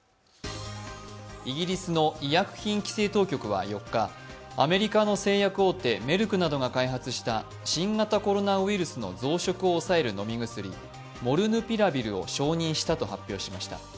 イギリスの医薬品規制当局は４日、アメリカの製薬大手メルクなどが開発した新型コロナウイルスの増殖を抑える飲み薬、モルヌピラビルを承認したと発表しました。